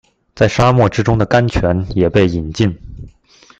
在沙漠之中的甘泉也被飲盡